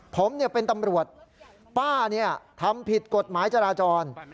ผมเป็นตำรวจป้าทำผิดกฎหมายจราจร